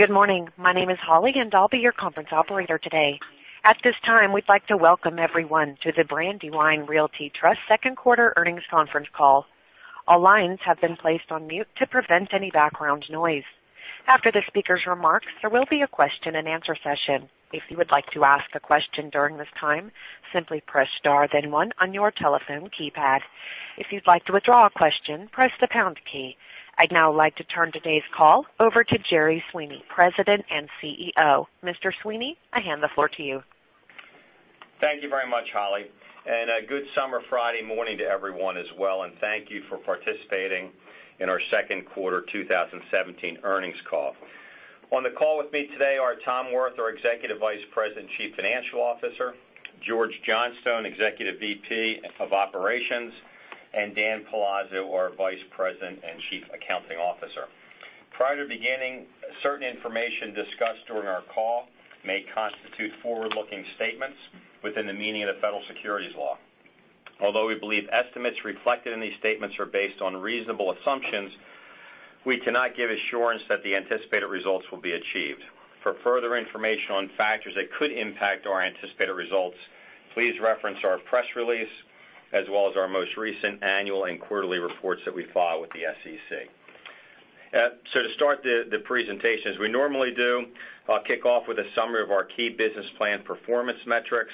Good morning. My name is Holly, and I'll be your conference operator today. At this time, we'd like to welcome everyone to the Brandywine Realty Trust second quarter earnings conference call. All lines have been placed on mute to prevent any background noise. After the speaker's remarks, there will be a question and answer session. If you would like to ask a question during this time, simply press star then one on your telephone keypad. If you'd like to withdraw a question, press the pound key. I'd now like to turn today's call over to Jerry Sweeney, President and CEO. Mr. Sweeney, I hand the floor to you. Thank you very much, Holly, and a good summer Friday morning to everyone as well. Thank you for participating in our second quarter 2017 earnings call. On the call with me today are Tom Wirth, our Executive Vice President, Chief Financial Officer, George Johnstone, Executive VP of Operations, and Dan Palazzo, our Vice President and Chief Accounting Officer. Prior to beginning, certain information discussed during our call may constitute forward-looking statements within the meaning of the federal securities law. Although we believe estimates reflected in these statements are based on reasonable assumptions, we cannot give assurance that the anticipated results will be achieved. For further information on factors that could impact our anticipated results, please reference our press release as well as our most recent annual and quarterly reports that we file with the SEC. To start the presentations, we normally do, I'll kick off with a summary of our key business plan performance metrics,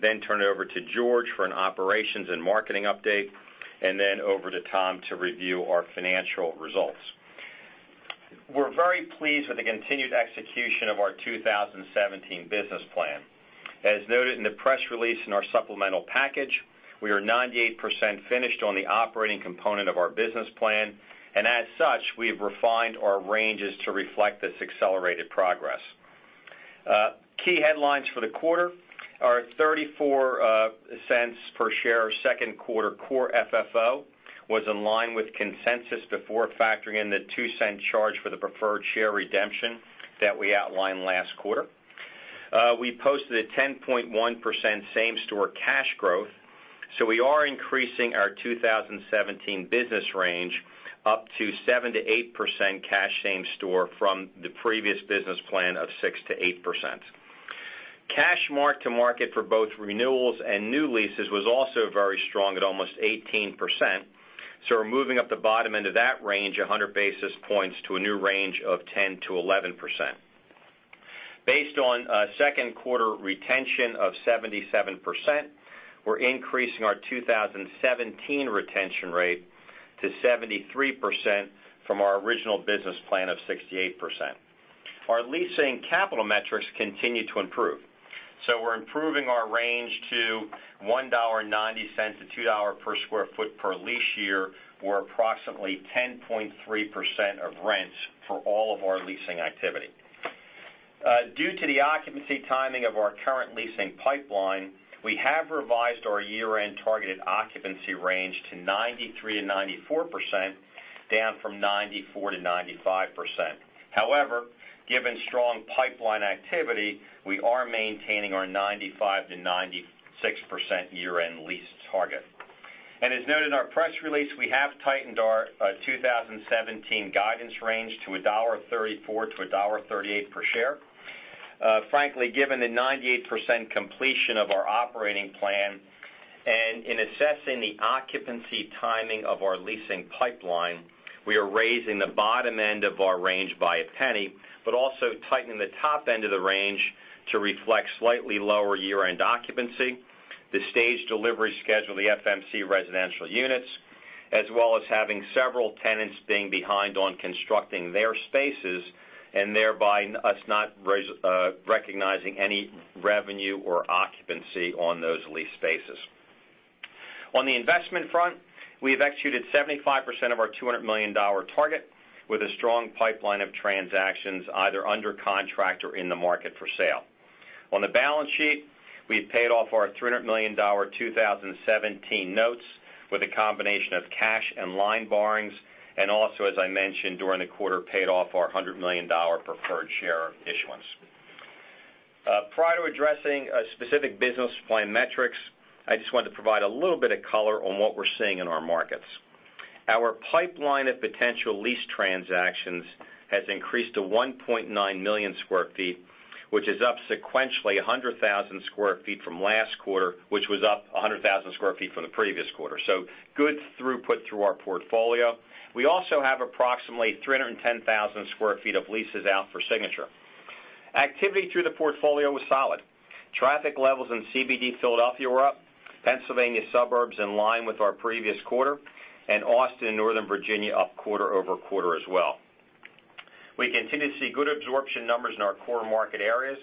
then turn it over to George for an operations and marketing update, and then over to Tom to review our financial results. We're very pleased with the continued execution of our 2017 business plan. As noted in the press release in our supplemental package, we are 98% finished on the operating component of our business plan, and as such, we've refined our ranges to reflect this accelerated progress. Key headlines for the quarter are $0.34 per share second quarter core FFO was in line with consensus before factoring in the $0.02 charge for the preferred share redemption that we outlined last quarter. We posted a 10.1% same-store cash growth, we are increasing our 2017 business range up to 7%-8% cash same store from the previous business plan of 6%-8%. Cash mark to market for both renewals and new leases was also very strong at almost 18%, we're moving up the bottom end of that range 100 basis points to a new range of 10%-11%. Based on second quarter retention of 77%, we're increasing our 2017 retention rate to 73% from our original business plan of 68%. Our leasing capital metrics continue to improve. We're improving our range to $1.90-$2 per square foot per lease year, or approximately 10.3% of rents for all of our leasing activity. Due to the occupancy timing of our current leasing pipeline, we have revised our year-end targeted occupancy range to 93%-94%, down from 94%-95%. However, given strong pipeline activity, we are maintaining our 95%-96% year-end lease target. As noted in our press release, we have tightened our 2017 guidance range to $1.34-$1.38 per share. Frankly, given the 98% completion of our operating plan and in assessing the occupancy timing of our leasing pipeline, we are raising the bottom end of our range by $0.01, but also tightening the top end of the range to reflect slightly lower year-end occupancy, the staged delivery schedule of the FMC residential units, as well as having several tenants being behind on constructing their spaces and thereby us not recognizing any revenue or occupancy on those lease spaces. On the investment front, we've executed 75% of our $200 million target with a strong pipeline of transactions either under contract or in the market for sale. On the balance sheet, we've paid off our $300 million 2017 notes with a combination of cash and line borrowings, and also, as I mentioned during the quarter, paid off our $100 million preferred share issuance. Prior to addressing specific business plan metrics, I just wanted to provide a little bit of color on what we're seeing in our markets. Our pipeline of potential lease transactions has increased to 1.9 million square feet, which is up sequentially 100,000 square feet from last quarter, which was up 100,000 square feet from the previous quarter, so good throughput through our portfolio. We also have approximately 310,000 square feet of leases out for signature. Activity through the portfolio was solid. Traffic levels in CBD Philadelphia were up, Pennsylvania suburbs in line with our previous quarter, and Austin and Northern Virginia up quarter-over-quarter as well. We continue to see good absorption numbers in our core market areas.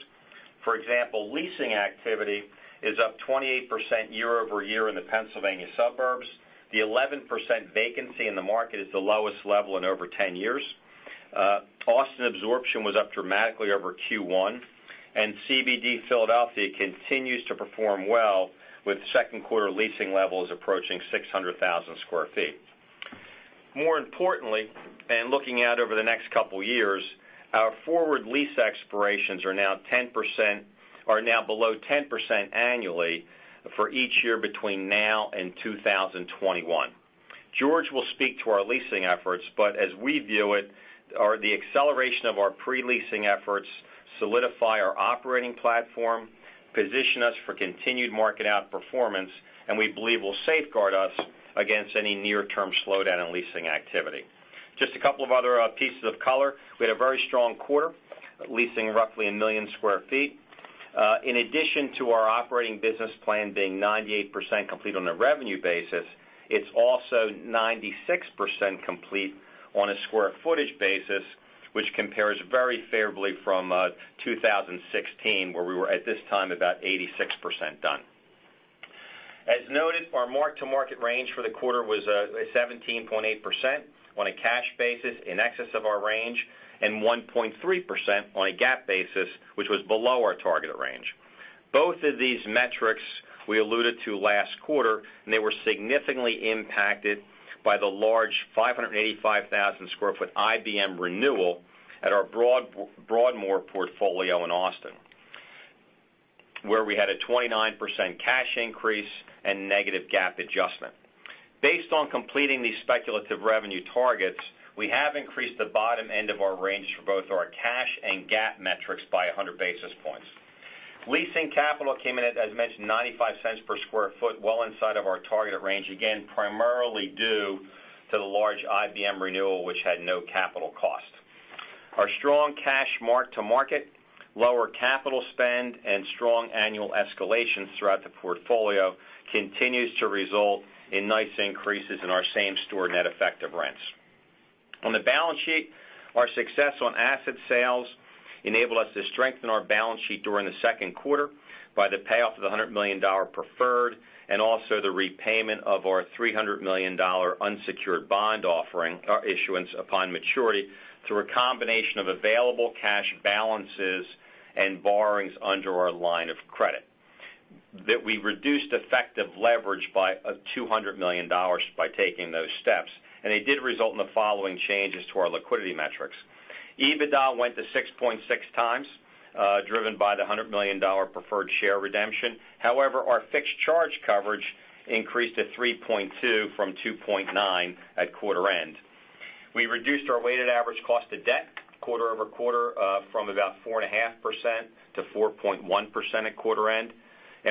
For example, leasing activity is up 28% year-over-year in the Pennsylvania suburbs. The 11% vacancy in the market is the lowest level in over 10 years. Austin absorption was up dramatically over Q1, and CBD Philadelphia continues to perform well with second quarter leasing levels approaching 600,000 square feet. Looking out over the next couple years, our forward lease expirations are now below 10% annually for each year between now and 2021. George will speak to our leasing efforts, but as we view it, the acceleration of our pre-leasing efforts solidify our operating platform, position us for continued market outperformance, and we believe will safeguard us against any near-term slowdown in leasing activity. Just a couple of other pieces of color. We had a very strong quarter, leasing roughly 1 million square feet. In addition to our operating business plan being 98% complete on a revenue basis, it's also 96% complete on a square footage basis, which compares very favorably from 2016, where we were, at this time, about 86% done. As noted, our mark-to-market range for the quarter was 17.8% on a cash basis, in excess of our range, and 1.3% on a GAAP basis, which was below our targeted range. Both of these metrics we alluded to last quarter. They were significantly impacted by the large 585,000 square foot IBM renewal at our Broadmoor portfolio in Austin, where we had a 29% cash increase and negative GAAP adjustment. Based on completing these speculative revenue targets, we have increased the bottom end of our range for both our cash and GAAP metrics by 100 basis points. Leasing capital came in at, as mentioned, $0.95 per square foot, well inside of our targeted range, again, primarily due to the large IBM renewal, which had no capital cost. Our strong cash mark to market, lower capital spend, and strong annual escalations throughout the portfolio continues to result in nice increases in our same-store net effective rents. On the balance sheet, our success on asset sales enabled us to strengthen our balance sheet during the second quarter by the payoff of the $100 million preferred, and also the repayment of our $300 million unsecured bond offering or issuance upon maturity through a combination of available cash balances and borrowings under our line of credit, that we reduced effective leverage by $200 million by taking those steps. It did result in the following changes to our liquidity metrics. EBITDA went to 6.6 times, driven by the $100 million preferred share redemption. However, our fixed charge coverage increased to 3.2 from 2.9 at quarter end. We reduced our weighted average cost of debt quarter-over-quarter from about 4.5% to 4.1% at quarter end.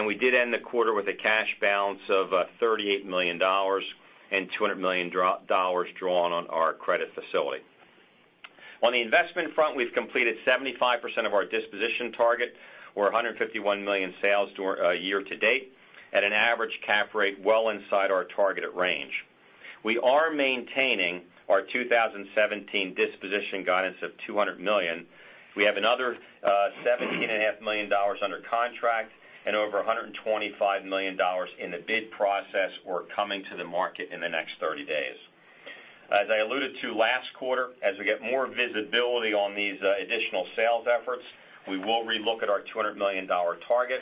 We did end the quarter with a cash balance of $38 million and $200 million drawn on our credit facility. On the investment front, we've completed 75% of our disposition target, or $151 million sales year to date, at an average cap rate well inside our targeted range. We are maintaining our 2017 disposition guidance of $200 million. We have another $17.5 million under contract and over $125 million in the bid process or coming to the market in the next 30 days. As I alluded to last quarter, as we get more visibility on these additional sales efforts, we will re-look at our $200 million target.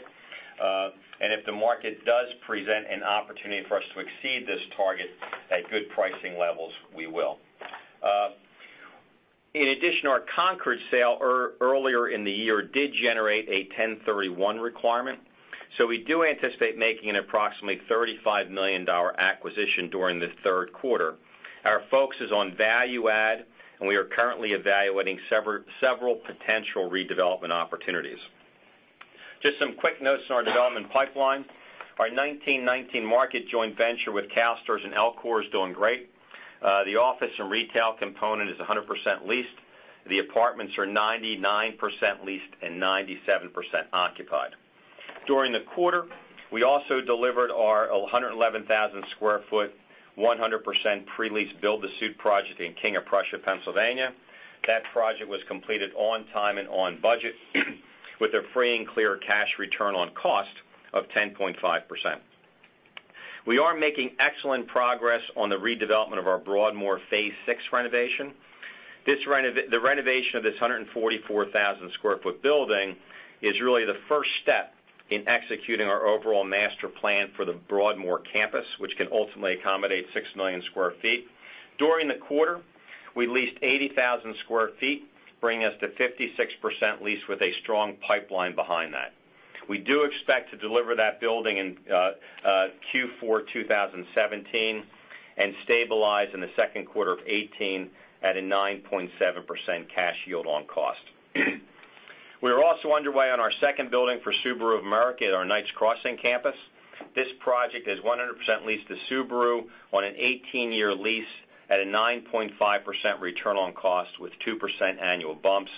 If the market does present an opportunity for us to exceed this target at good pricing levels, we will. In addition, our Concord sale earlier in the year did generate a 1031 requirement. We do anticipate making an approximately $35 million acquisition during the third quarter. Our focus is on value add, and we are currently evaluating several potential redevelopment opportunities. Just some quick notes on our development pipeline. Our 1919 Market joint venture with CalSTRS and LCOR is doing great. The office and retail component is 100% leased. The apartments are 99% leased and 97% occupied. During the quarter, we also delivered our 111,000 square foot, 100% pre-leased build-to-suit project in King of Prussia, Pennsylvania. That project was completed on time and on budget with a free and clear cash return on cost of 10.5%. We are making excellent progress on the redevelopment of our Broadmoor Phase VI renovation. The renovation of this 144,000 square foot building is really the first step in executing our overall master plan for the Broadmoor campus, which can ultimately accommodate 6 million square feet. During the quarter, we leased 80,000 square feet, bringing us to 56% leased with a strong pipeline behind that. We do expect to deliver that building in Q4 2017 and stabilize in the second quarter of 2018 at a 9.7% cash yield on cost. We are also underway on our second building for Subaru of America at our Knights Crossing campus. This project is 100% leased to Subaru on an 18-year lease at a 9.5% return on cost with 2% annual bumps.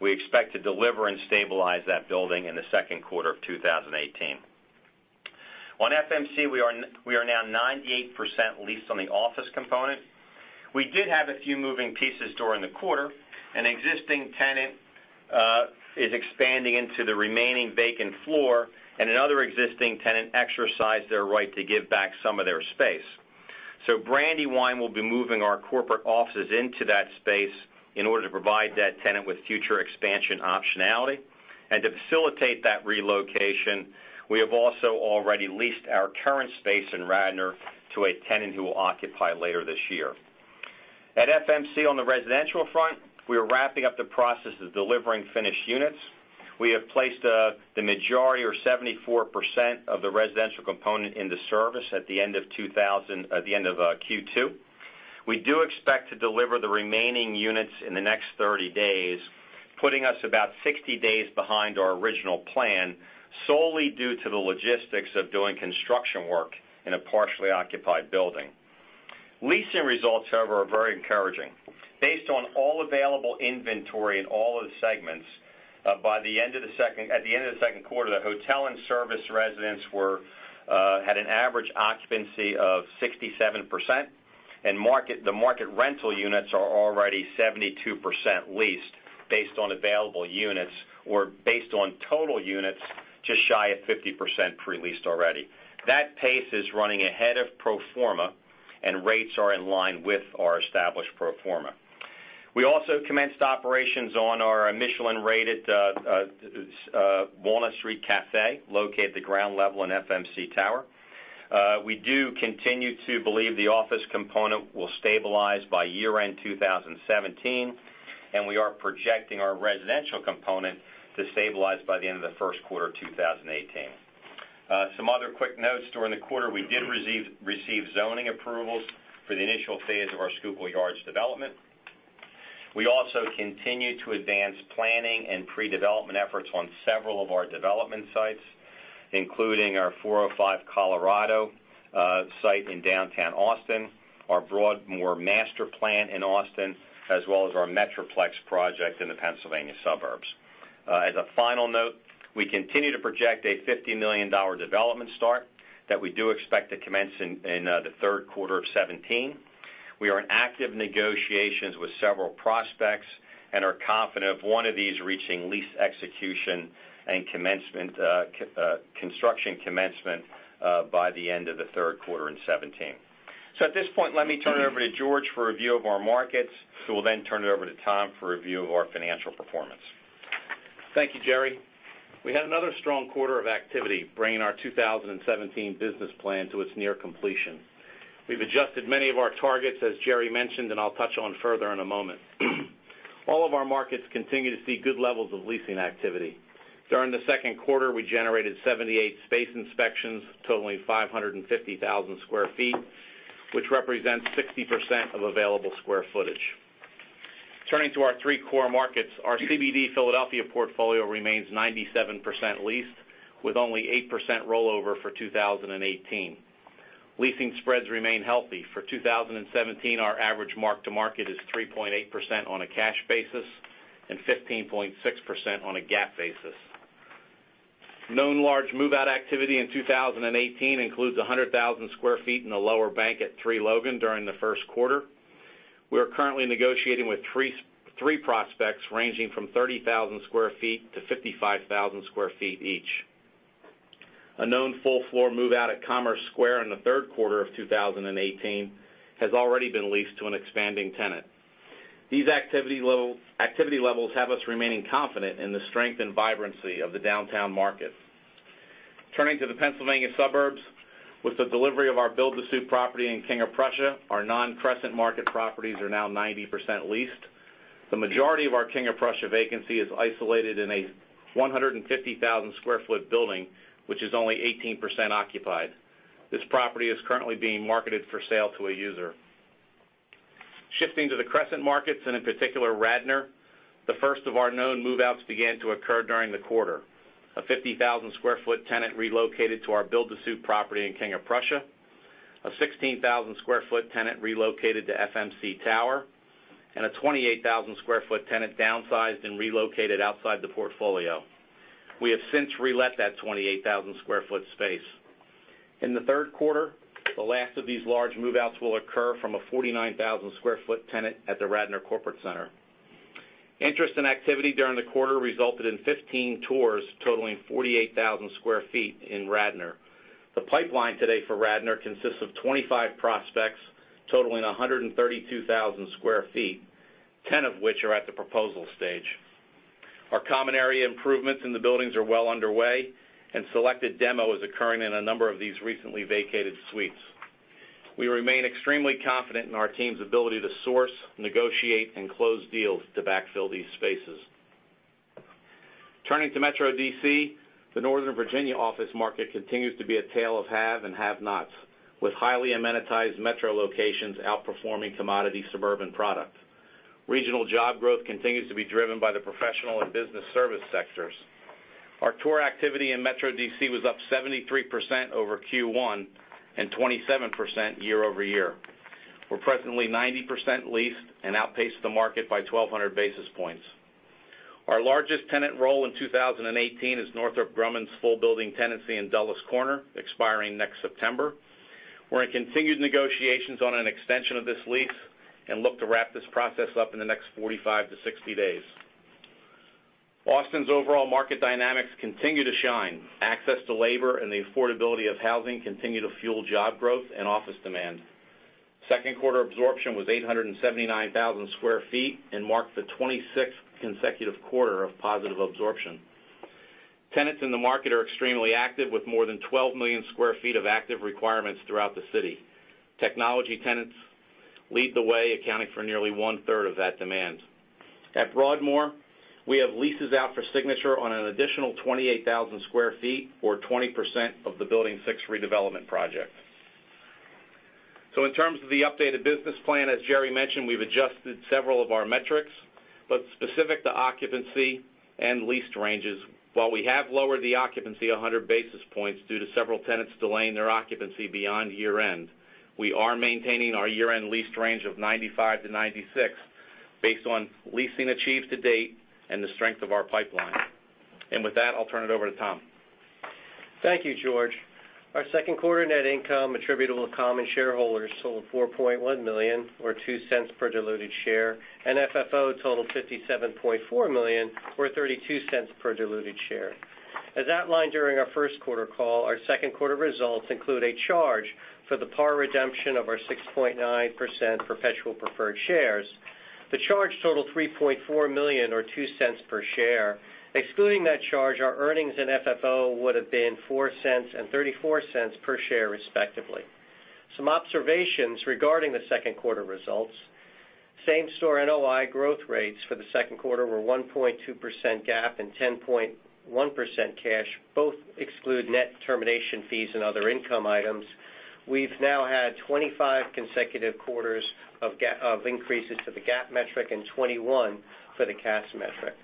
We expect to deliver and stabilize that building in the second quarter of 2018. On FMC, we are now 98% leased on the office component. We did have a few moving pieces during the quarter. An existing tenant is expanding into the remaining vacant floor, and another existing tenant exercised their right to give back some of their space. Brandywine will be moving our corporate offices into that space in order to provide that tenant with future expansion optionality. To facilitate that relocation, we have also already leased our current space in Radnor to a tenant who will occupy later this year. At FMC on the residential front, we are wrapping up the process of delivering finished units. We have placed the majority or 74% of the residential component into service at the end of Q2. We do expect to deliver the remaining units in the next 30 days, putting us about 60 days behind our original plan, solely due to the logistics of doing construction work in a partially occupied building. Leasing results, however, are very encouraging. Based on all available inventory in all of the segments, at the end of the second quarter, the hotel and service residents had an average occupancy of 67%, and the market rental units are already 72% leased based on available units, or based on total units, just shy of 50% pre-leased already. That pace is running ahead of pro forma, and rates are in line with our established pro forma. We also commenced operations on our Michelin-rated Walnut Street Cafe, located at the ground level in FMC Tower. We do continue to believe the office component will stabilize by year-end 2017, and we are projecting our residential component to stabilize by the end of the first quarter 2018. Some other quick notes. During the quarter, we did receive zoning approvals for the initial phase of our Schuylkill Yards development. We also continue to advance planning and pre-development efforts on several of our development sites, including our 405 Colorado site in downtown Austin, our Broadmoor master plan in Austin, as well as our Metroplex project in the Pennsylvania suburbs. As a final note, we continue to project a $50 million development start that we do expect to commence in the third quarter of 2017. We are in active negotiations with several prospects and are confident of one of these reaching lease execution and construction commencement by the end of the third quarter in 2017. At this point, let me turn it over to George for a review of our markets, who will then turn it over to Tom for a review of our financial performance. Thank you, Gerry. We had another strong quarter of activity, bringing our 2017 business plan to its near completion. We've adjusted many of our targets, as Gerry mentioned, and I'll touch on further in a moment. All of our markets continue to see good levels of leasing activity. During the second quarter, we generated 78 space inspections totaling 550,000 sq ft, which represents 60% of available sq ft. Turning to our three core markets, our CBD Philadelphia portfolio remains 97% leased with only 8% rollover for 2018. Leasing spreads remain healthy. For 2017, our average mark-to-market is 3.8% on a cash basis and 15.6% on a GAAP basis. Known large move-out activity in 2018 includes 100,000 sq ft in the lower bank at 3 Logan during the first quarter. We are currently negotiating with three prospects ranging from 30,000 sq ft to 55,000 sq ft each. A known full-floor move-out at Commerce Square in the third quarter of 2018 has already been leased to an expanding tenant. These activity levels have us remaining confident in the strength and vibrancy of the downtown market. Turning to the Pennsylvania suburbs, with the delivery of our build-to-suit property in King of Prussia, our non-Crescent market properties are now 90% leased. The majority of our King of Prussia vacancy is isolated in a 150,000 sq ft building, which is only 18% occupied. This property is currently being marketed for sale to a user. Shifting to the Crescent markets, and in particular, Radnor, the first of our known move-outs began to occur during the quarter. A 50,000 sq ft tenant relocated to our build-to-suit property in King of Prussia, a 16,000 sq ft tenant relocated to FMC Tower, and a 28,000 sq ft tenant downsized and relocated outside the portfolio. We have since relet that 28,000 sq ft space. In the third quarter, the last of these large move-outs will occur from a 49,000 sq ft tenant at the Radnor Corporate Center. Interest and activity during the quarter resulted in 15 tours totaling 48,000 sq ft in Radnor. The pipeline today for Radnor consists of 25 prospects totaling 132,000 sq ft, 10 of which are at the proposal stage. Our common area improvements in the buildings are well underway, and selected demo is occurring in a number of these recently vacated suites. We remain extremely confident in our team's ability to source, negotiate, and close deals to backfill these spaces. Turning to Metro D.C., the Northern Virginia office market continues to be a tale of have and have-nots, with highly amenitized Metro locations outperforming commodity suburban product. Regional job growth continues to be driven by the professional and business service sectors. Our tour activity in Metro D.C. was up 73% over Q1 and 27% year-over-year. We're presently 90% leased and outpace the market by 1,200 basis points. Our largest tenant roll in 2018 is Northrop Grumman's full building tenancy in Dulles Corner, expiring next September. We're in continued negotiations on an extension of this lease and look to wrap this process up in the next 45 to 60 days. Austin's overall market dynamics continue to shine. Access to labor and the affordability of housing continue to fuel job growth and office demand. Second quarter absorption was 879,000 sq ft and marked the 26th consecutive quarter of positive absorption. Tenants in the market are extremely active, with more than 12 million sq ft of active requirements throughout the city. Technology tenants lead the way, accounting for nearly one-third of that demand. At Broadmoor, we have leases out for signature on an additional 28,000 square feet or 20% of the Building 6 redevelopment project. In terms of the updated business plan, as Jerry mentioned, we've adjusted several of our metrics, but specific to occupancy and lease ranges. While we have lowered the occupancy 100 basis points due to several tenants delaying their occupancy beyond year-end, we are maintaining our year-end lease range of 95%-96% based on leasing achieved to date and the strength of our pipeline. With that, I'll turn it over to Tom. Thank you, George. Our second quarter net income attributable to common shareholders totaled $4.1 million, or $0.02 per diluted share, and FFO totaled $57.4 million, or $0.32 per diluted share. As outlined during our first quarter call, our second quarter results include a charge for the par redemption of our 6.9% perpetual preferred shares. The charge totaled $3.4 million or $0.02 per share. Excluding that charge, our earnings and FFO would've been $0.04 and $0.34 per share respectively. Some observations regarding the second quarter results. Same-store NOI growth rates for the second quarter were 1.2% GAAP and 10.1% cash, both exclude net termination fees and other income items. We've now had 25 consecutive quarters of increases to the GAAP metric and 21 for the cash metric.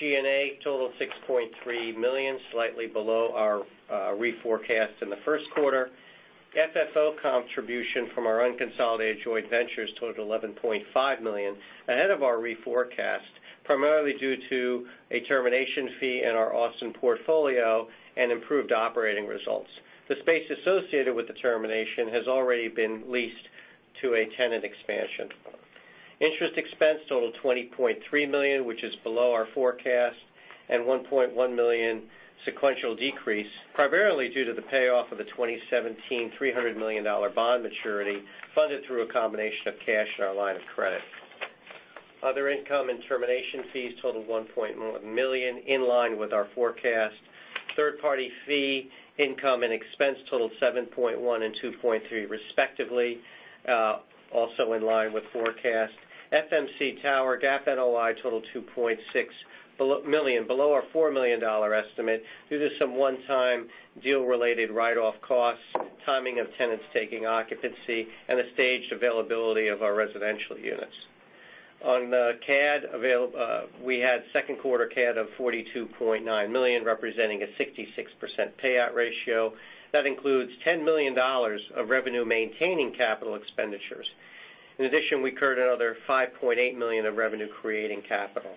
G&A totaled $6.3 million, slightly below our reforecast in the first quarter. FFO contribution from our unconsolidated joint ventures totaled $11.5 million, ahead of our reforecast, primarily due to a termination fee in our Austin portfolio and improved operating results. The space associated with the termination has already been leased to a tenant expansion. Interest expense totaled $20.3 million, which is below our forecast, and $1.1 million sequential decrease, primarily due to the payoff of the 2017 $300 million bond maturity funded through a combination of cash and our line of credit. Other income and termination fees totaled $1.0 million, in line with our forecast. Third-party fee income and expense totaled $7.1 and $2.3 respectively, also in line with forecast. FMC Tower GAAP NOI totaled $2.6 million, below our $4 million estimate due to some one-time deal-related write-off costs, timing of tenants taking occupancy, and the staged availability of our residential units. On the CAD, we had second quarter CAD of $42.9 million, representing a 66% payout ratio. That includes $10 million of revenue-maintaining capital expenditures. In addition, we incurred another $5.8 million of revenue creating capital.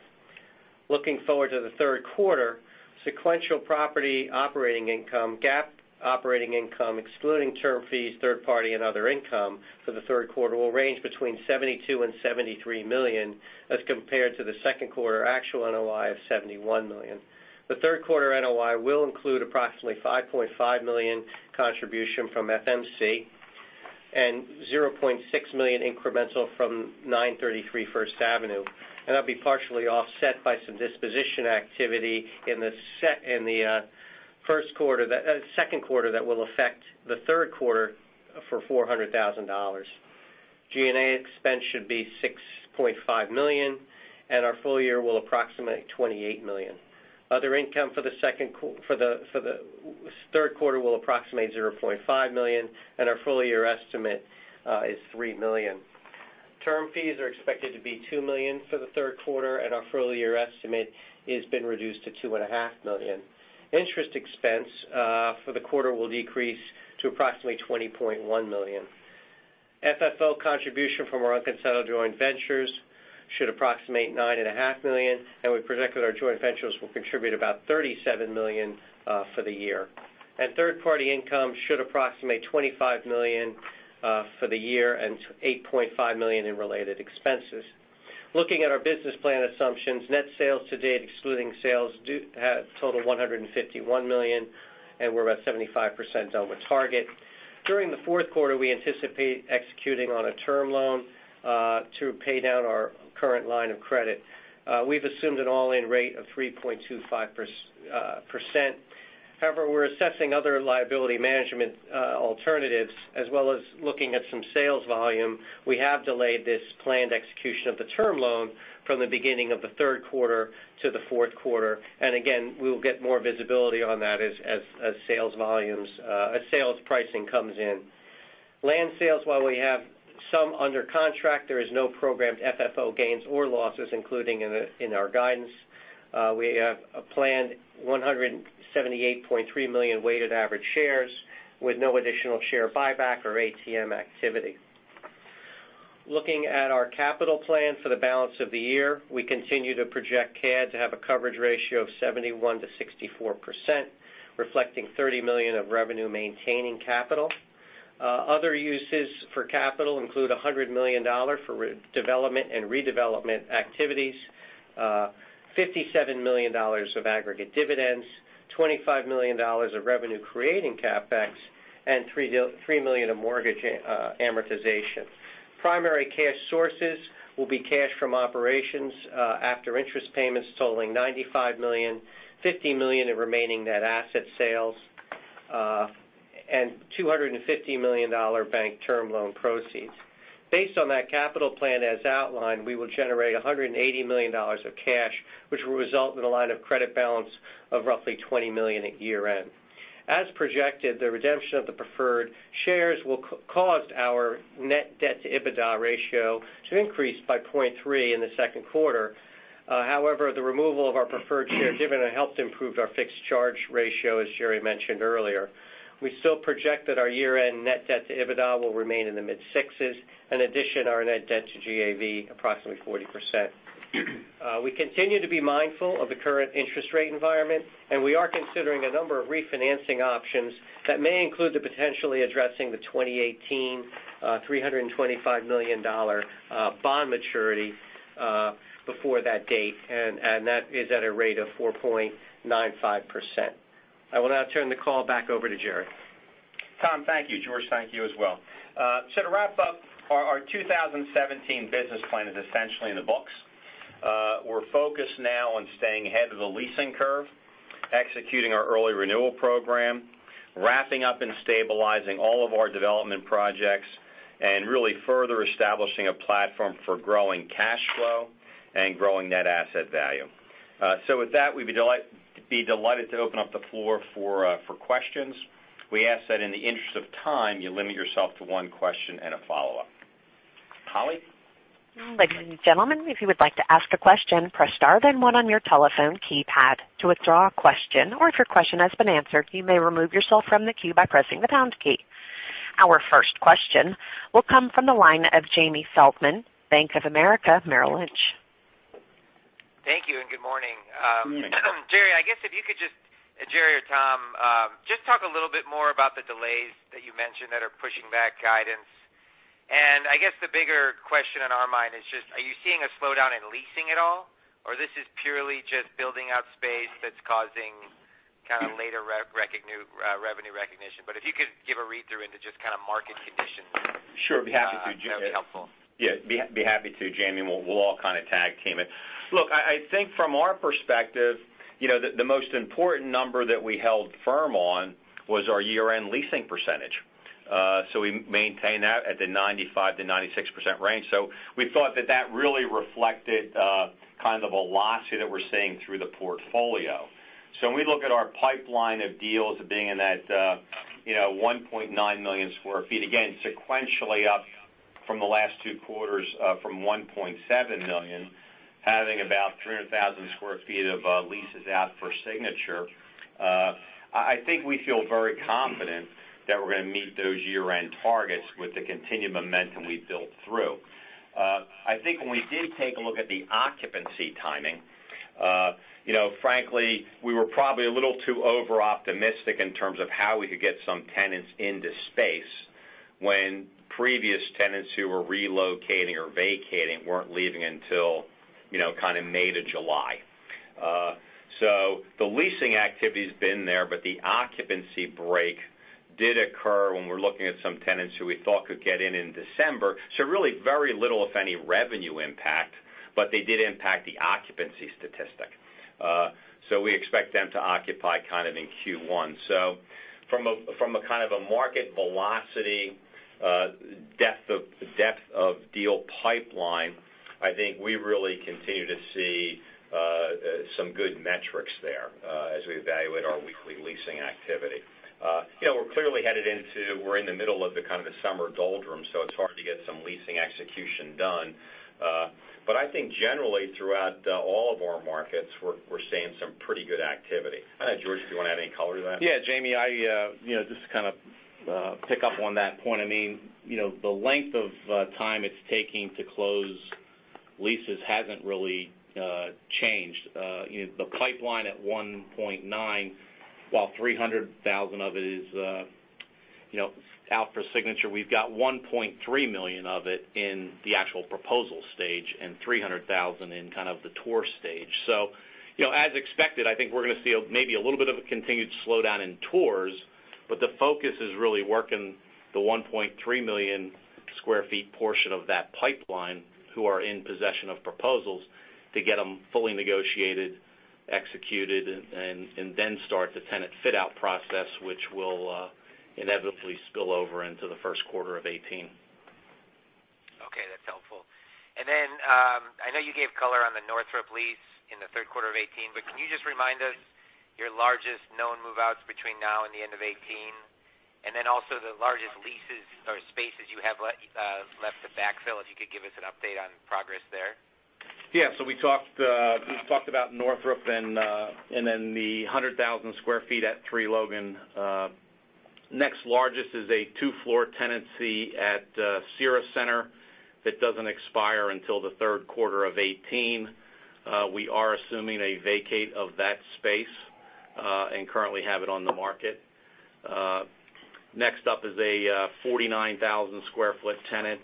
Looking forward to the third quarter, sequential property operating income, GAAP operating income, excluding term fees, third party, and other income for the third quarter will range between $72 million-$73 million as compared to the second quarter actual NOI of $71 million. The third quarter NOI will include approximately $5.5 million contribution from FMC and $0.6 million incremental from 933 First Avenue, and that'll be partially offset by some disposition activity in the first quarter, second quarter that will affect the third quarter for $400,000. G&A expense should be $6.5 million, and our full year will approximate $28 million. Other income for the third quarter will approximate $0.5 million, and our full-year estimate is $3 million. Term fees are expected to be $2 million for the third quarter, and our full-year estimate has been reduced to $2 and a half million. Interest expense for the quarter will decrease to approximately $20.1 million. FFO contribution from our unconsolidated joint ventures should approximate $9 and a half million, and we project that our joint ventures will contribute about $37 million for the year. Third-party income should approximate $25 million for the year and $8.5 million in related expenses. Looking at our business plan assumptions, net sales to date, excluding sales, total $151 million, and we're about 75% on the target. During the fourth quarter, we anticipate executing on a term loan to pay down our current line of credit. We've assumed an all-in rate of 3.25%. However, we're assessing other liability management alternatives, as well as looking at some sales volume. We have delayed this planned execution of the term loan from the beginning of the third quarter to the fourth quarter. Again, we will get more visibility on that as sales pricing comes in. Land sales, while we have some under contract, there is no programmed FFO gains or losses including in our guidance. We have a planned 178.3 million weighted average shares with no additional share buyback or ATM activity. Looking at our capital plan for the balance of the year, we continue to project CAD to have a coverage ratio of 71%-64%, reflecting $30 million of revenue maintaining capital. Other uses for capital include $100 million for development and redevelopment activities, $57 million of aggregate dividends, $25 million of revenue creating CapEx, and $3 million of mortgage amortization. Primary cash sources will be cash from operations after interest payments totaling $95 million, $15 million in remaining net asset sales, and $250 million bank term loan proceeds. Based on that capital plan as outlined, we will generate $180 million of cash, which will result in a line of credit balance of roughly $20 million at year-end. As projected, the redemption of the preferred shares will cause our net debt-to-EBITDA ratio to increase by 0.3 in the second quarter. However, the removal of our preferred shares dividend helped improve our fixed charge ratio, as Gerry mentioned earlier. We still project that our year-end net debt to EBITDA will remain in the mid-sixes. In addition, our net debt to GAV, approximately 40%. We continue to be mindful of the current interest rate environment, and we are considering a number of refinancing options that may include potentially addressing the 2018 $325 million bond maturity before that date, and that is at a rate of 4.95%. I will now turn the call back over to Gerry. Tom, thank you. George, thank you as well. To wrap up, our 2017 business plan is essentially in the books. We're focused now on staying ahead of the leasing curve, executing our early renewal program, wrapping up and stabilizing all of our development projects, and really further establishing a platform for growing cash flow and growing net asset value. With that, we'd be delighted to open up the floor for questions. We ask that in the interest of time, you limit yourself to one question and a follow-up. Holly? Ladies and gentlemen, if you would like to ask a question, press star then one on your telephone keypad. To withdraw a question or if your question has been answered, you may remove yourself from the queue by pressing the pound key. Our first question will come from the line of Jamie Feldman, Bank of America Merrill Lynch. Thank you and good morning. Good morning. Gerry, I guess if you could just, Gerry or Tom, just talk a little bit more about the delays that you mentioned that are pushing back guidance. I guess the bigger question on our mind is just, are you seeing a slowdown in leasing at all? Or this is purely just building out space that's causing kind of later revenue recognition. If you could give a read-through into just kind of market conditions. Sure, be happy to, Jamie. That would be helpful. Yeah, be happy to, Jamie, and we'll all kind of tag team it. Look, I think from our perspective, the most important number that we held firm on was our year-end leasing percentage. We maintain that at the 95%-96% range. We thought that that really reflected kind of a velocity that we're seeing through the portfolio. When we look at our pipeline of deals being in that, 1.9 million square feet, again, sequentially up from the last two quarters from 1.7 million, having about 300,000 square feet of leases out for signature, I think we feel very confident that we're going to meet those year-end targets with the continued momentum we've built through. I think when we did take a look at the occupancy timing, frankly, we were probably a little too over-optimistic in terms of how we could get some tenants into space when previous tenants who were relocating or vacating weren't leaving until kind of May to July. The leasing activity's been there, but the occupancy break did occur when we're looking at some tenants who we thought could get in in December. Really very little, if any, revenue impact, but they did impact the occupancy statistic. We expect them to occupy kind of in Q1. From a kind of a market velocity, depth of deal pipeline, I think we really continue to see some good metrics there as we evaluate our weekly leasing activity. We're clearly we're in the middle of the kind of the summer doldrum, it's hard to get some leasing execution done. I think generally throughout all of our markets, we're seeing some pretty good activity. I know, George, do you want to add any color to that? Yeah, Jamie, just to kind of pick up on that point, the length of time it's taking to close leases hasn't really changed. The pipeline at 1.9, while 300,000 of it is out for signature, we've got 1.3 million of it in the actual proposal stage and 300,000 in kind of the tour stage. As expected, I think we're going to see maybe a little bit of a continued slowdown in tours, but the focus is really working the 1.3 million square feet portion of that pipeline who are in possession of proposals to get them fully negotiated, executed, and then start the tenant fit-out process, which will inevitably spill over into the first quarter of 2018. Okay, that's helpful. I know you gave color on the Northrop lease in the third quarter of 2018, but can you just remind us your largest known move-outs between now and the end of 2018? Also the largest leases or spaces you have left to backfill, if you could give us an update on progress there. We talked about Northrop and then the 100,000 sq ft at 3 Logan. Next largest is a two-floor tenancy at Cira Centre that doesn't expire until the third quarter of 2018. We are assuming a vacate of that space, and currently have it on the market. Next up is a 49,000 sq ft tenant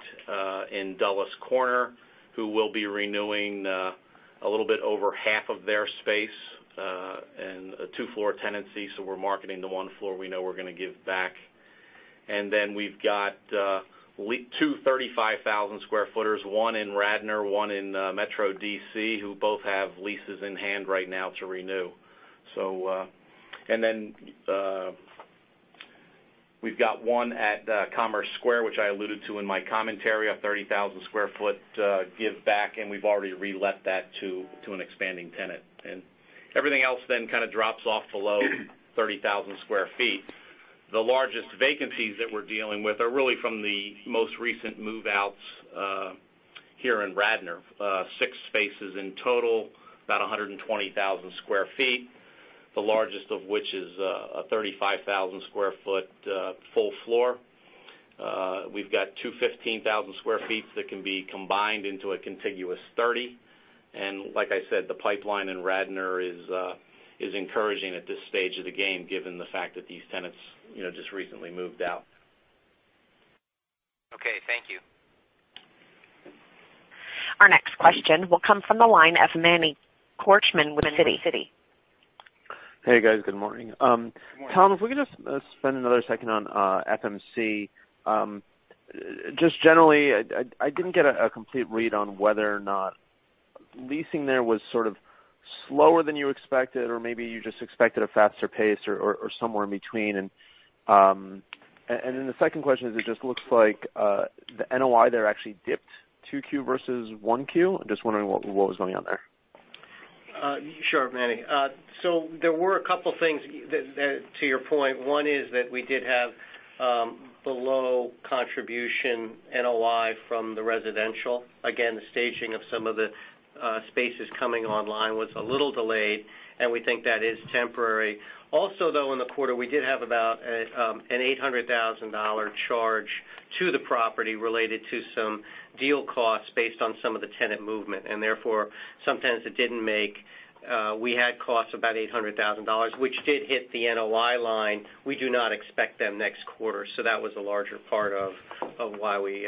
in Dulles Corner, who will be renewing a little bit over half of their space and a two-floor tenancy, so we're marketing the one floor we know we're going to give back. We've got two 35,000 sq ft, one in Radnor, one in Metro D.C., who both have leases in hand right now to renew. We've got one at Commerce Square, which I alluded to in my commentary, a 30,000 sq ft give back, and we've already re-let that to an expanding tenant. Everything else then kind of drops off below 30,000 sq ft. The largest vacancies that we're dealing with are really from the most recent move-outs here in Radnor. Six spaces in total, about 120,000 sq ft, the largest of which is a 35,000 sq ft full floor. We've got two 15,000 sq ft that can be combined into a contiguous 30. Like I said, the pipeline in Radnor is encouraging at this stage of the game, given the fact that these tenants just recently moved out. Okay, thank you. Our next question will come from the line of Manny Korchman with Citi. Hey, guys. Good morning. Good morning. Tom, if we could just spend another second on FMC. Generally, I didn't get a complete read on whether or not leasing there was sort of slower than you expected, or maybe you just expected a faster pace or somewhere in between. The second question is, it just looks like the NOI there actually dipped 2Q versus 1Q. I'm just wondering what was going on there. Sure, Manny. There were a couple things to your point. One is that we did have below contribution NOI from the residential. Again, the staging of some of the spaces coming online was a little delayed, and we think that is temporary. Also, though, in the quarter, we did have about an $800,000 charge to the property related to some deal costs based on some of the tenant movement. Therefore, some tenants that didn't make, we had costs of about $800,000, which did hit the NOI line. We do not expect them next quarter. That was a larger part of why we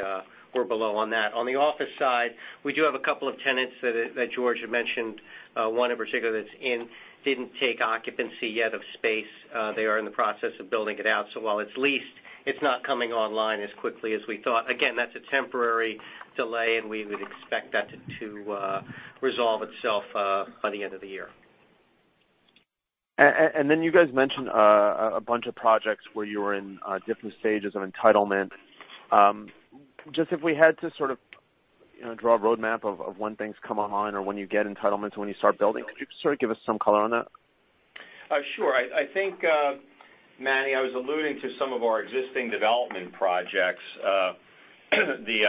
were below on that. On the office side, we do have a couple of tenants that George had mentioned. One in particular that's in, didn't take occupancy yet of space. They are in the process of building it out. While it's leased, it's not coming online as quickly as we thought. Again, that's a temporary delay, and we would expect that to resolve itself by the end of the year. You guys mentioned a bunch of projects where you were in different stages of entitlement. Just if we had to sort of draw a roadmap of when things come online or when you get entitlements, when you start building, could you sort of give us some color on that? Sure. I think, Manny, I was alluding to some of our existing development projects. The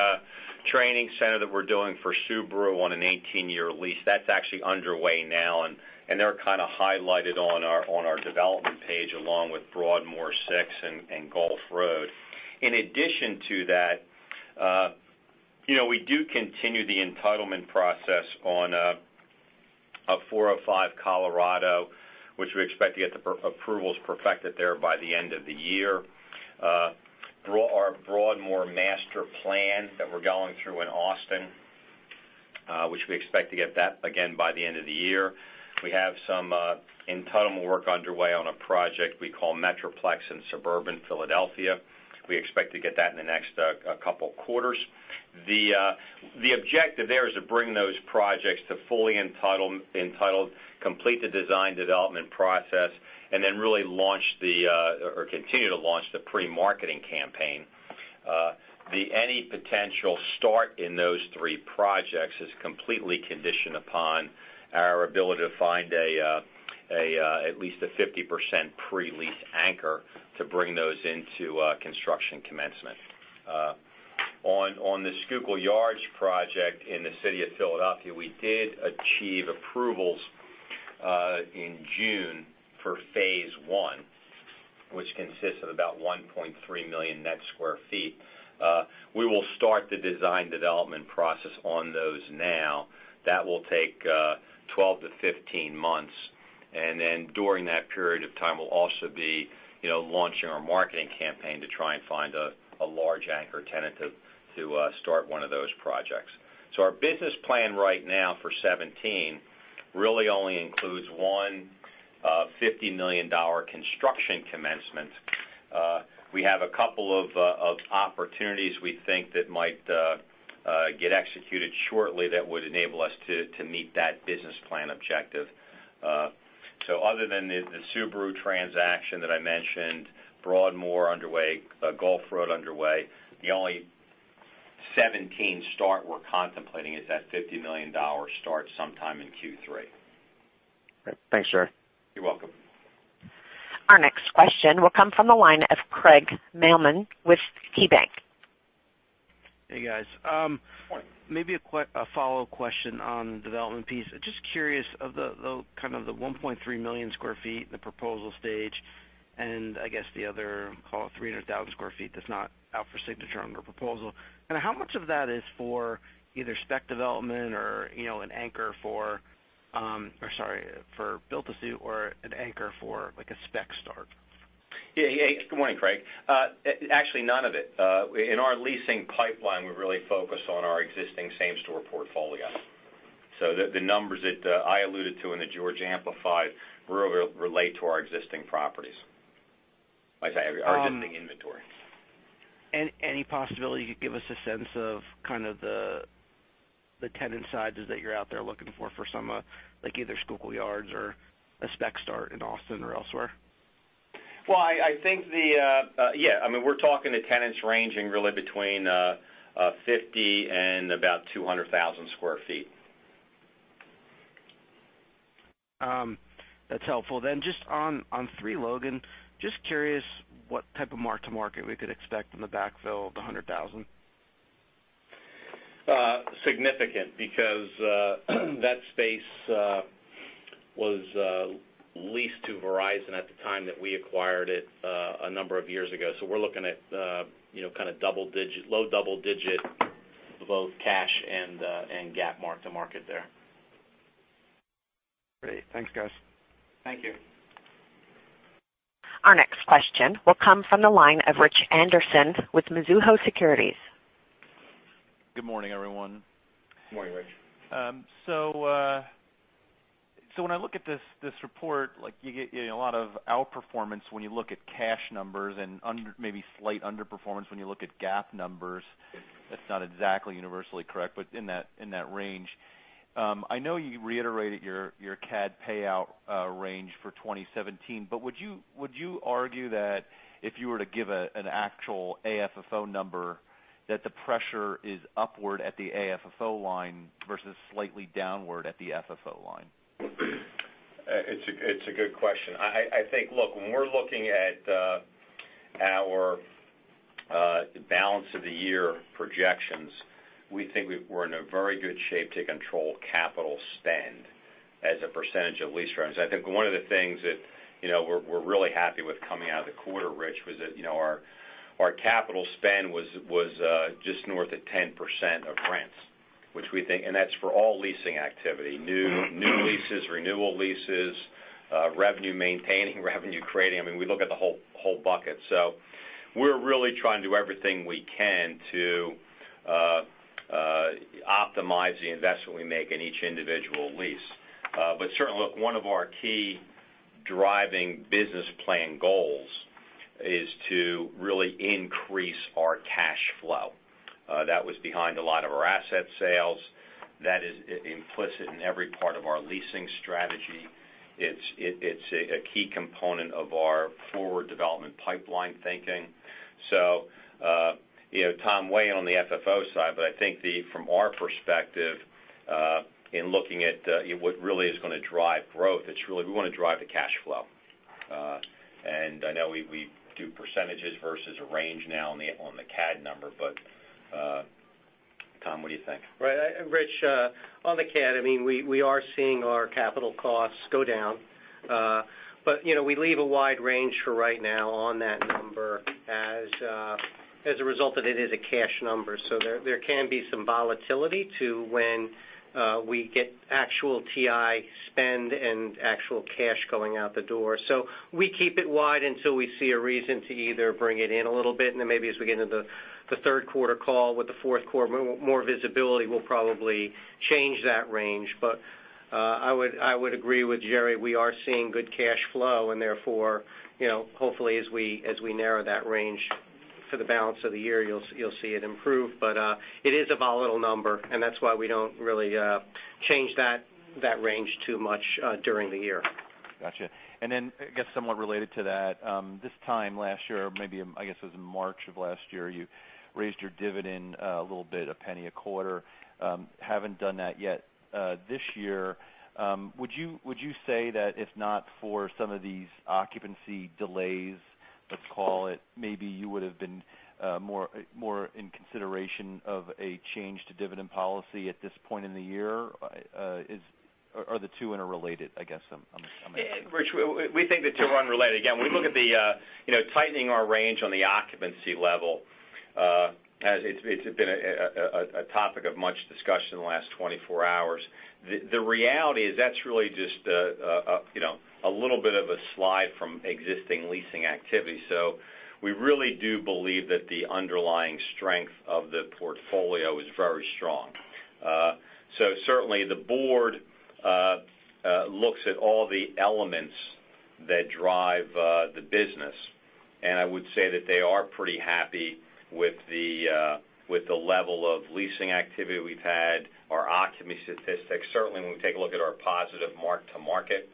training center that we're doing for Subaru on an 18-year lease, that's actually underway now, and they're kind of highlighted on our development page, along with Broadmoor Six and Gulph Road. In addition to that, we do continue the entitlement process on 405 Colorado, which we expect to get the approvals perfected there by the end of the year. Our Broadmoor master plan that we're going through in Austin, which we expect to get that, again, by the end of the year. We have some entitlement work underway on a project we call Metroplex in suburban Philadelphia. We expect to get that in the next couple quarters. The objective there is to bring those projects to fully entitled, complete the design development process, and then really continue to launch the pre-marketing campaign. Any potential start in those three projects is completely conditioned upon our ability to find at least a 50% pre-lease anchor to bring those into construction commencement. On the Schuylkill Yards project in the city of Philadelphia, we did achieve approvals in June for phase one, which consists of about 1.3 million net sq ft. We will start the design development process on those now. That will take 12 to 15 months. During that period of time, we'll also be launching our marketing campaign to try and find a large anchor tenant to start one of those projects. Our business plan right now for 2017 really only includes one $50 million construction commencement. We have a couple of opportunities we think that might get executed shortly that would enable us to meet that business plan objective. Other than the Subaru transaction that I mentioned, Broadmoor underway, Gulph Road underway, the only 2017 start we're contemplating is that $50 million start sometime in Q3. Great. Thanks, George. You're welcome. Our next question will come from the line of Craig Mailman with KeyBanc. Hey, guys. Morning. A follow-up question on the development piece. Just curious of the kind of the 1.3 million sq ft, the proposal stage, and I guess the other, call it 300,000 sq ft that's not out for signature on your proposal. How much of that is for either spec development or an anchor for Sorry, for build-to-suit or an anchor for like a spec start? Yeah. Good morning, Craig. Actually, none of it. In our leasing pipeline, we're really focused on our existing same-store portfolio. The numbers that I alluded to and that George amplified, really relate to our existing properties. I say our existing inventory. Any possibility you could give us a sense of the tenant sizes that you're out there looking for some, like either Schuylkill Yards or a spec start in Austin or elsewhere? I think, we're talking to tenants ranging really between 50 and about 200,000 sq ft. That's helpful. Just on 3 Logan, just curious what type of mark-to-market we could expect from the backfill of the 100,000. Significant, because that space was leased to Verizon at the time that we acquired it a number of years ago. We're looking at low double-digit, both cash and GAAP mark-to-market there. Great. Thanks, guys. Thank you. Our next question will come from the line of Richard Anderson with Mizuho Securities. Good morning, everyone. Good morning, Rich. When I look at this report, like you get a lot of outperformance when you look at cash numbers and maybe slight underperformance when you look at GAAP numbers. That's not exactly universally correct, but in that range. I know you reiterated your CAD payout range for 2017, would you argue that if you were to give an actual AFFO number, that the pressure is upward at the AFFO line versus slightly downward at the FFO line? It's a good question. I think, look, when we're looking at our balance-of-the-year projections, we think we're in a very good shape to control capital spend as a percentage of lease rents. I think one of the things that we're really happy with coming out of the quarter, Rich, was that our capital spend was just north of 10% of rents. That's for all leasing activity, new leases, renewal leases, revenue maintaining, revenue creating. We look at the whole bucket. We're really trying to do everything we can to optimize the investment we make in each individual lease. Certainly, look, one of our key driving business plan goals is to really increase our cash flow. That was behind a lot of our asset sales. That is implicit in every part of our leasing strategy. It's a key component of our forward development pipeline thinking. Tom, weigh in on the FFO side, but I think from our perspective, in looking at what really is going to drive growth, we want to drive the cash flow. I know we do percentages versus a range now on the CAD number, but, Tom, what do you think? Rich, on the CAD, we are seeing our capital costs go down. We leave a wide range for right now on that number as a result that it is a cash number. There can be some volatility to when we get actual TI spend and actual cash going out the door. We keep it wide until we see a reason to either bring it in a little bit, and then maybe as we get into the third quarter call with the fourth quarter, more visibility, we'll probably change that range. I would agree with Jerry. We are seeing good cash flow and therefore, hopefully as we narrow that range for the balance of the year, you'll see it improve. It is a volatile number, and that's why we don't really change that range too much during the year. Got you. Then, I guess somewhat related to that, this time last year, or maybe, I guess it was in March of last year, you raised your dividend a little bit, a $0.01 a quarter. Haven't done that yet this year. Would you say that if not for some of these occupancy delays, let's call it, maybe you would've been more in consideration of a change to dividend policy at this point in the year? Are the two interrelated, I guess I'm asking. Rich, we think the two are unrelated. Again, we look at the tightening our range on the occupancy level. It's been a topic of much discussion in the last 24 hours. The reality is that's really just a little bit of a slide from existing leasing activity. We really do believe that the underlying strength of the portfolio is very strong. Certainly, the board looks at all the elements that drive the business, and I would say that they are pretty happy with the level of leasing activity we've had, our occupancy statistics. Certainly, when we take a look at our positive mark-to-market,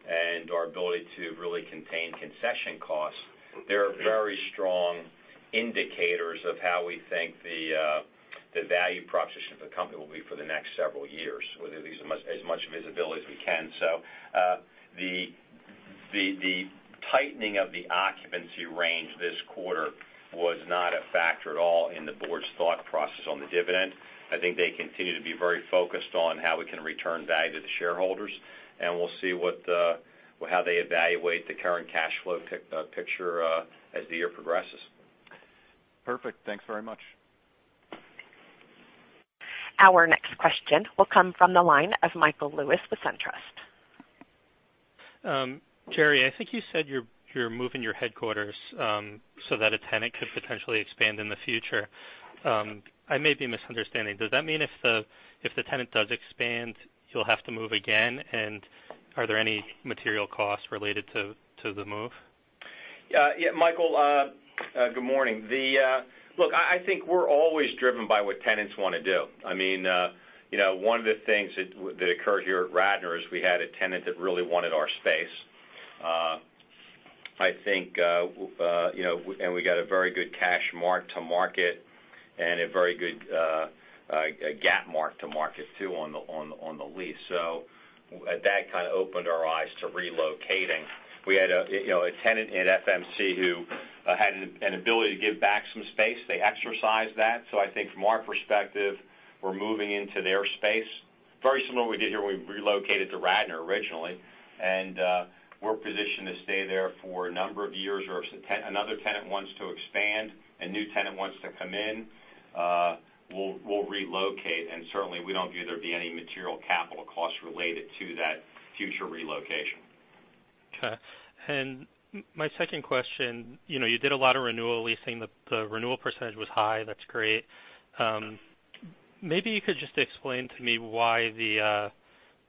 and our ability to really contain concession costs, they're very strong indicators of how we think the value proposition for the company will be for the next several years, with at least as much visibility as we can. The tightening of the occupancy range this quarter was not a factor at all in the board's thought process on the dividend. I think they continue to be very focused on how we can return value to the shareholders, and we'll see how they evaluate the current cash flow picture as the year progresses. Perfect. Thanks very much. Our next question will come from the line of Michael Lewis with SunTrust. Jerry, I think you said you're moving your headquarters so that a tenant could potentially expand in the future. I may be misunderstanding. Does that mean if the tenant does expand, you'll have to move again? Are there any material costs related to the move? Yeah, Michael, good morning. Look, I think we're always driven by what tenants want to do. One of the things that occurred here at Radnor is we had a tenant that really wanted our space. We got a very good cash mark-to-market and a very good GAAP mark-to-market, too, on the lease. That kind of opened our eyes to relocating. We had a tenant in FMC who had an ability to give back some space. They exercised that. I think from our perspective, we're moving into their space. Very similar to what we did here when we relocated to Radnor originally, and we're positioned to stay there for a number of years, or if another tenant wants to expand, a new tenant wants to come in, we'll relocate, and certainly, we don't view there to be any material capital costs related to that future relocation. Okay. My second question, you did a lot of renewal leasing. The renewal percentage was high. That's great. Maybe you could just explain to me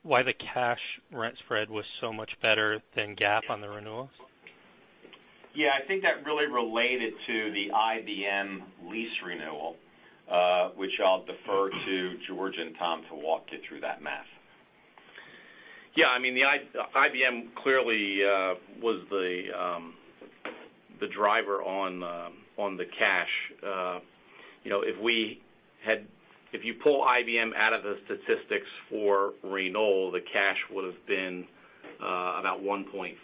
why the cash rent spread was so much better than GAAP on the renewals. Yeah. I think that really related to the IBM lease renewal, which I'll defer to George and Tom to walk you through that math. Yeah. IBM clearly was the driver on the cash. If you pull IBM out of the statistics for renewal, the cash would've been about 1.5%,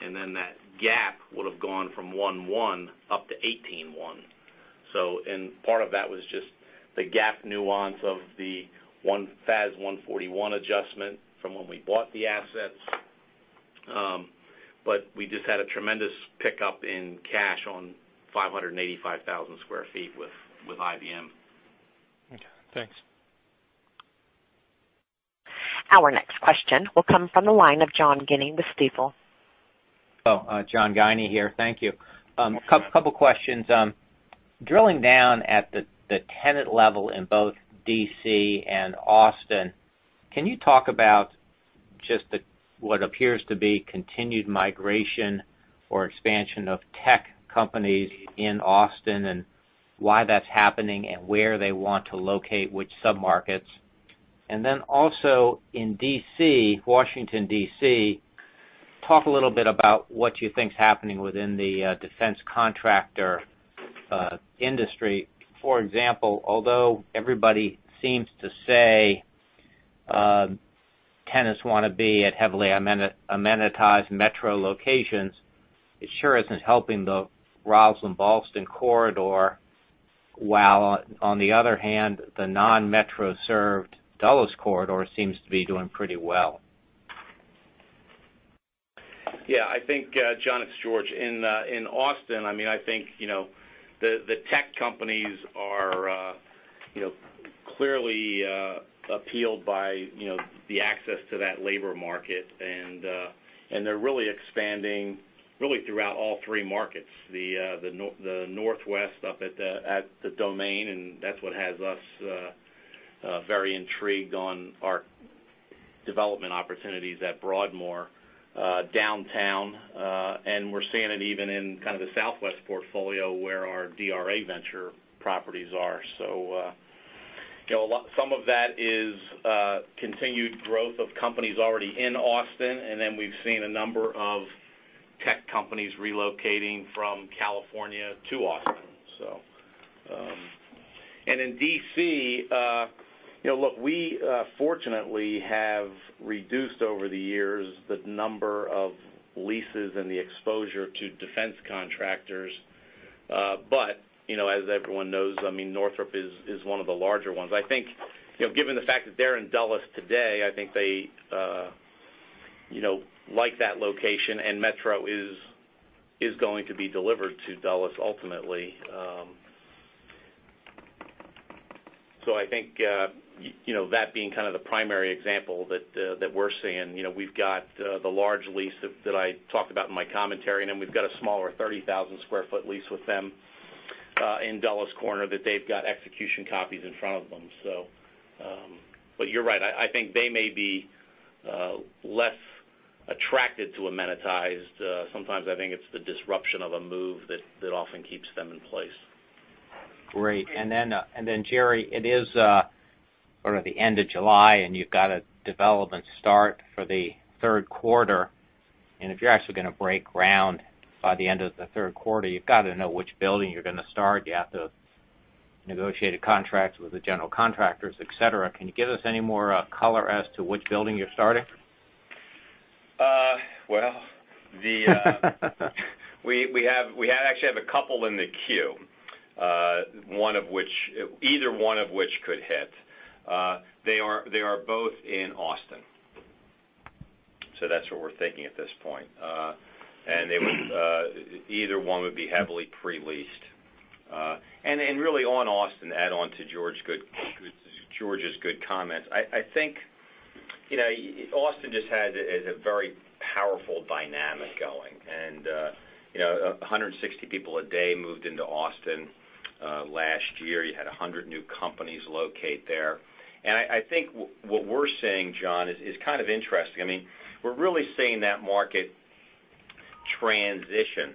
then that GAAP would've gone from 1.1% up to 18.1%. Part of that was just the GAAP nuance of the FAS 141 adjustment from when we bought the assets. We just had a tremendous pickup in cash on 585,000 sq ft with IBM. Okay, thanks. Our next question will come from the line of John Guinee with Stifel. John Guinee here. Thank you. Sure. Couple questions. Drilling down at the tenant level in both D.C. and Austin, can you talk about just what appears to be continued migration or expansion of tech companies in Austin, and why that's happening and where they want to locate, which sub-markets? Also in D.C., Washington, D.C., talk a little bit about what you think is happening within the defense contractor industry. For example, although everybody seems to say tenants want to be at heavily amenitized Metro locations, it sure isn't helping the Rosslyn-Ballston Corridor, while on the other hand, the non-Metro served Dulles Corridor seems to be doing pretty well. John, it's George. In Austin, I think the tech companies are clearly appealed by the access to that labor market, and they're really expanding really throughout all three markets. The Northwest up at The Domain, and that's what has us very intrigued on our development opportunities at Broadmoor downtown. We're seeing it even in kind of the Southwest portfolio where our DRA venture properties are. Some of that is continued growth of companies already in Austin, and then we've seen a number of tech companies relocating from California to Austin. In D.C., look, we fortunately have reduced over the years the number of leases and the exposure to defense contractors. But as everyone knows, Northrop is one of the larger ones. Given the fact that they're in Dulles today, I think they like that location, and Metro is going to be delivered to Dulles ultimately. I think that being kind of the primary example that we're seeing. We've got the large lease that I talked about in my commentary, and then we've got a smaller 30,000-square-foot lease with them in Dulles Corner that they've got execution copies in front of them. You're right. I think they may be less attracted to amenitized. Sometimes I think it's the disruption of a move that often keeps them in place. Great. Jerry, it is sort of the end of July, you've got a development start for the third quarter, if you're actually going to break ground by the end of the third quarter, you've got to know which building you're going to start. You have to negotiate a contract with the general contractors, etc. Can you give us any more color as to which building you're starting? Well. We actually have a couple in the queue, either one of which could hit. They are both in Austin. That's what we're thinking at this point. Either one would be heavily pre-leased. Really on Austin, to add on to George's good comments, I think Austin just has a very powerful dynamic going. 160 people a day moved into Austin last year. You had 100 new companies locate there. I think what we're seeing, John, is kind of interesting. We're really seeing that market transition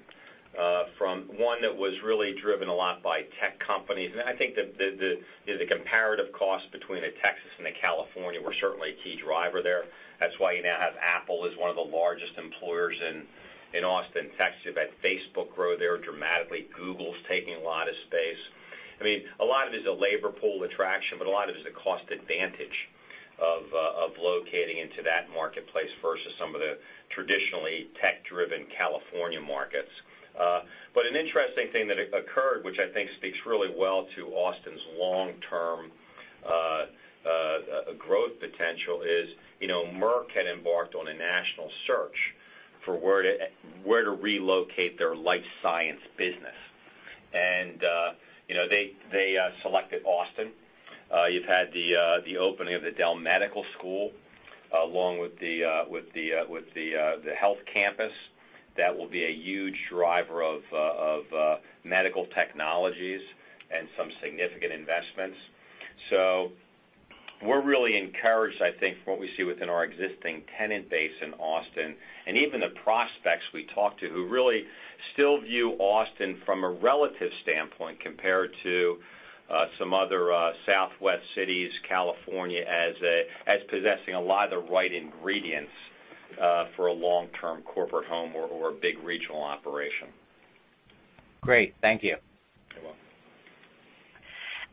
from one that was really driven a lot by tech companies. I think the comparative cost between Texas and California were certainly a key driver there. That's why you now have Apple as one of the largest employers in Austin, Texas. You've had Facebook grow there dramatically. Google's taking a lot of space. A lot of it is a labor pool attraction, a lot of it is the cost advantage of locating into that marketplace versus some of the traditionally tech-driven California markets. An interesting thing that occurred, which I think speaks really well to Austin's long-term growth potential, is Merck had embarked on a national search for where to relocate their life science business. They selected Austin. You've had the opening of the Dell Medical School, along with the health campus. That will be a huge driver of medical technologies and some significant investments. We're really encouraged, I think, from what we see within our existing tenant base in Austin, and even the prospects we talk to, who really still view Austin from a relative standpoint compared to some other Southwest cities, California, as possessing a lot of the right ingredients for a long-term corporate home or a big regional operation. Great. Thank you. You're welcome.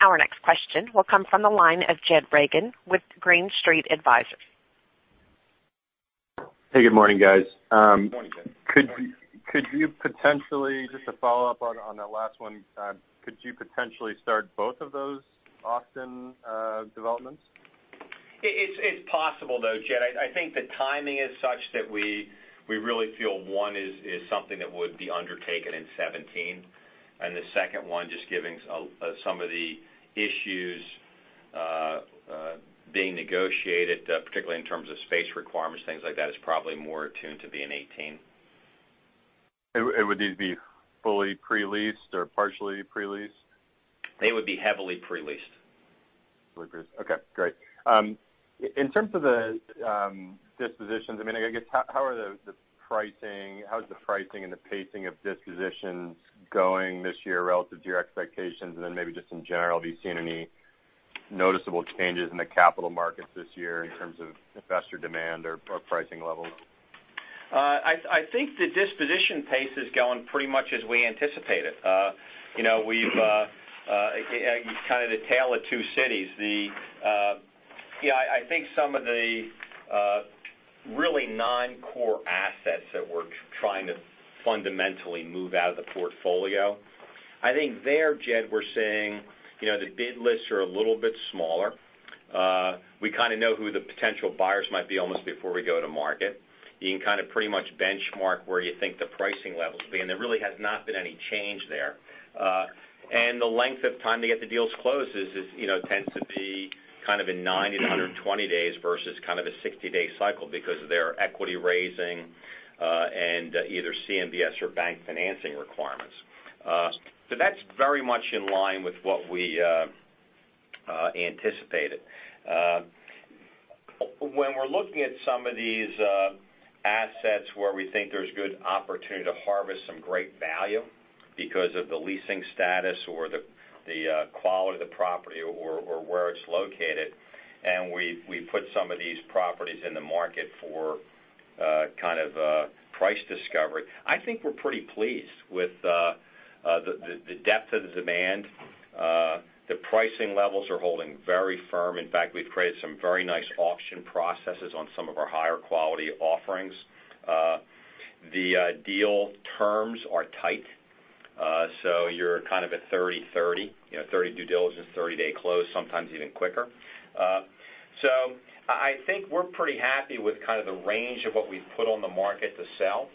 Our next question will come from the line of Jed Reagan with Green Street Advisors. Hey, good morning, guys. Good morning, Jed. Could you potentially, just to follow up on that last one, could you potentially start both of those Austin developments? It's possible, though, Jed. I think the timing is such that we really feel one is something that would be undertaken in 2017. The second one, just given some of the issues being negotiated, particularly in terms of space requirements, things like that, is probably more attuned to be in 2018. Would these be fully pre-leased or partially pre-leased? They would be heavily pre-leased. Heavily pre-leased. Okay, great. In terms of the dispositions, how are the pricing and the pacing of dispositions going this year relative to your expectations? Then maybe just in general, have you seen any noticeable changes in the capital markets this year in terms of investor demand or pricing levels? I think the disposition pace is going pretty much as we anticipated. It's kind of the tale of two cities. I think some of the really non-core assets that we're trying to fundamentally move out of the portfolio, I think there, Jed, we're seeing the bid lists are a little bit smaller. We kind of know who the potential buyers might be almost before we go to market. You can kind of pretty much benchmark where you think the pricing levels will be, there really has not been any change there. The length of time to get the deals closed tends to be kind of in 90-120 days versus kind of a 60-day cycle because of their equity raising and either CMBS or bank financing requirements. That's very much in line with what we anticipated. When we're looking at some of these assets where we think there's good opportunity to harvest some great value because of the leasing status or the quality of the property or where it's located, we put some of these properties in the market for kind of a price discovery, I think we're pretty pleased with the depth of the demand. The pricing levels are holding very firm. In fact, we've created some very nice auction processes on some of our higher-quality offerings. The deal terms are tight, you're kind of at 30/30 due diligence, 30-day close, sometimes even quicker. I think we're pretty happy with kind of the range of what we've put on the market to sell.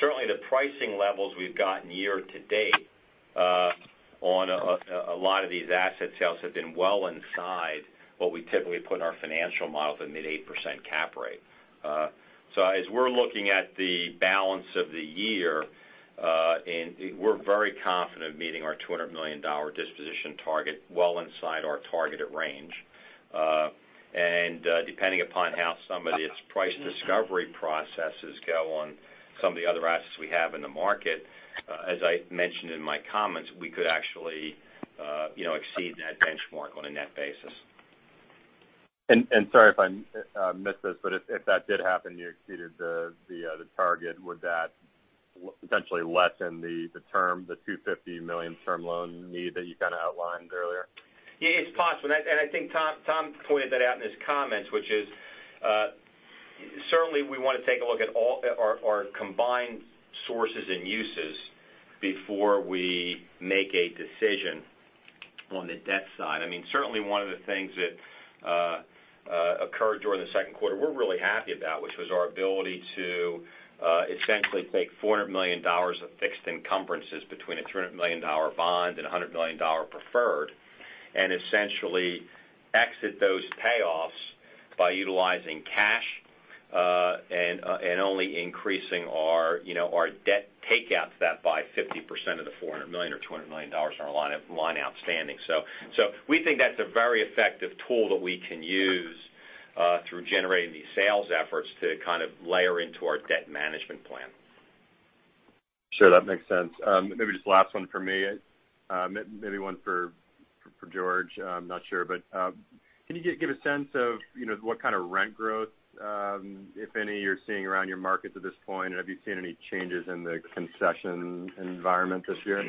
Certainly, the pricing levels we've gotten year-to-date on a lot of these asset sales have been well inside what we typically put in our financial models, a mid 8% cap rate. As we're looking at the balance of the year, we're very confident meeting our $200 million disposition target well inside our targeted range. Depending upon how some of these price discovery processes go on some of the other assets we have in the market, as I mentioned in my comments, we could actually exceed that benchmark on a net basis. Sorry if I missed this, if that did happen, you exceeded the target, would that potentially lessen the $250 million term loan need that you kind of outlined earlier? Yeah, it's possible. I think Tom pointed that out in his comments, which is, certainly we want to take a look at all our combined sources and uses before we make a decision on the debt side. Certainly, one of the things that occurred during the second quarter, we're really happy about, which was our ability to essentially take $400 million of fixed encumbrances between a $300 million bond and a $100 million preferred, and essentially exit those payoffs by utilizing cash, and only increasing our debt take out that by 50% of the $400 million, or $200 million on our line outstanding. We think that's a very effective tool that we can use through generating these sales efforts to kind of layer into our debt management plan. Sure, that makes sense. Maybe just the last one for me, maybe one for George, I'm not sure. Can you give a sense of what kind of rent growth, if any, you're seeing around your markets at this point? Have you seen any changes in the concession environment this year?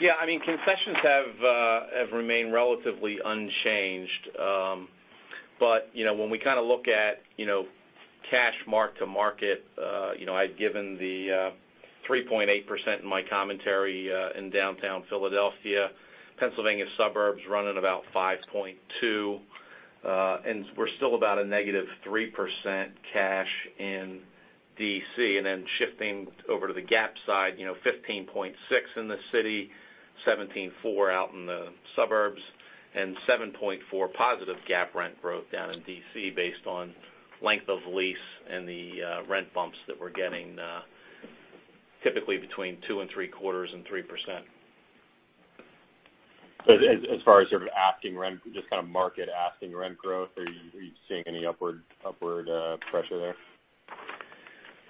Yeah, concessions have remained relatively unchanged. When we kind of look at cash mark to market, I had given the 3.8% in my commentary in downtown Philadelphia, Pennsylvania suburbs running about 5.2%, and we are still about a negative 3% cash in D.C. Shifting over to the GAAP side, 15.6% in the city, 17.4% out in the suburbs, and 7.4% positive GAAP rent growth down in D.C. based on length of lease and the rent bumps that we are getting, typically between 2.75% and 3%. As far as sort of asking rent, just kind of market asking rent growth, are you seeing any upward pressure there?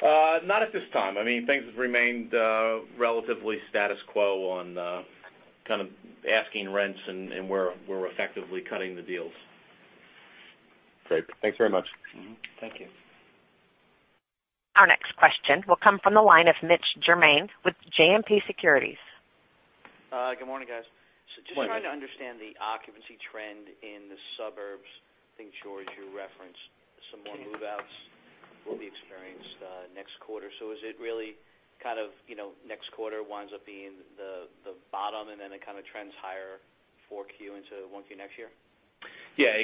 Not at this time. Things have remained relatively status quo on kind of asking rents and where we are effectively cutting the deals. Great. Thanks very much. Thank you. Our next question will come from the line of Mitch Germain with JMP Securities. Good morning, guys. Morning. Just trying to understand the occupancy trend in the suburbs. I think, George, you referenced some more move-outs will be experienced next quarter. Is it really kind of next quarter winds up being the bottom, and then it kind of trends higher 4Q into 1Q next year? Yeah.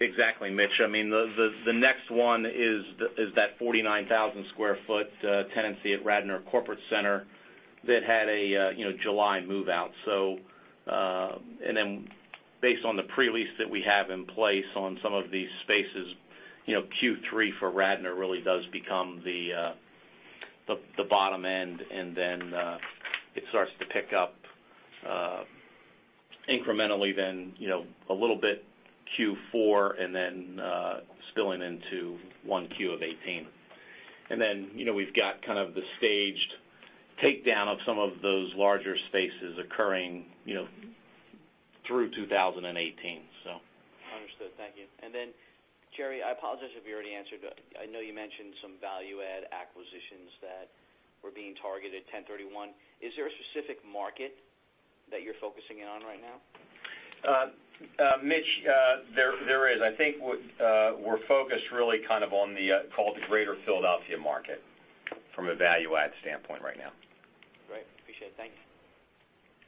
Exactly, Mitch. The next one is that 49,000 sq ft tenancy at Radnor Corporate Center that had a July move-out. Based on the pre-lease that we have in place on some of these spaces, Q3 for Radnor really does become the bottom end, and then it starts to pick up incrementally then, a little bit Q4, and then spilling into 1Q of 2018. We've got kind of the staged takedown of some of those larger spaces occurring through 2018. Understood. Thank you. Jerry, I apologize if you already answered. I know you mentioned some value add acquisitions that were being targeted, 1031. Is there a specific market that you're focusing in on right now? Mitch, there is. I think we're focused really kind of on the, call it the Greater Philadelphia market from a value add standpoint right now. Great. Appreciate it. Thanks.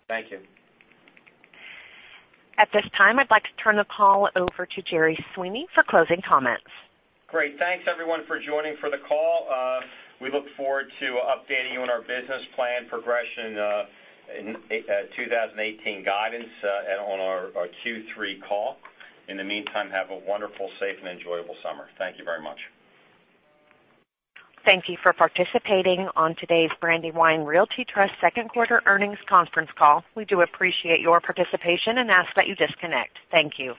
Thank you. At this time, I'd like to turn the call over to Jerry Sweeney for closing comments. Great. Thanks, everyone for joining for the call. We look forward to updating you on our business plan progression in 2018 guidance and on our Q3 call. In the meantime, have a wonderful, safe, and enjoyable summer. Thank you very much. Thank you for participating on today's Brandywine Realty Trust second quarter earnings conference call. We do appreciate your participation and ask that you disconnect. Thank you.